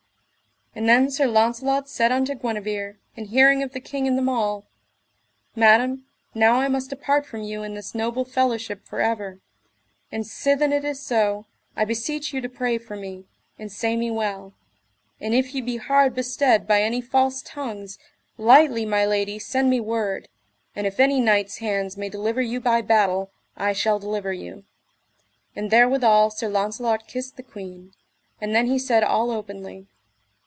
And then Sir Launcelot said unto Guenever, in hearing of the king and them all: Madam, now I must depart from you and this noble fellowship for ever; and sithen it is so, I beseech you to pray for me, and say me well; and if ye be hard bestead by any false tongues, lightly my lady send me word, and if any knight's hands may deliver you by battle, I shall deliver you. And therewithal Sir Launcelot kissed the queen; and then he said all openly.